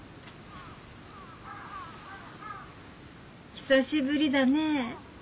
久しぶりだね。